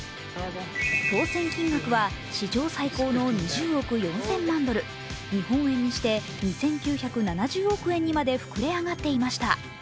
当せん金額は史上最高の２０億４０００万ドル、日本円にして２９７０億円にまで膨れ上がっていました。